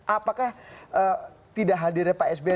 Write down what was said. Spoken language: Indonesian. apakah tidak hadirnya pak sby